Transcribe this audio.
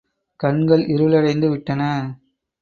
கண்கள் இருளடைந்து விட்டன.